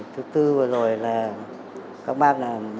thứ tư vừa rồi là các bác làm